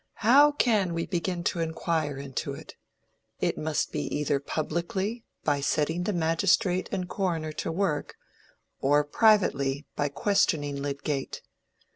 "How can we begin to inquire into it? It must be either publicly by setting the magistrate and coroner to work, or privately by questioning Lydgate.